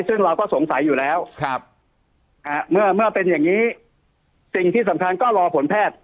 ซึ่งเราก็สงสัยอยู่แล้วเมื่อเป็นอย่างนี้สิ่งที่สำคัญก็รอผลแพทย์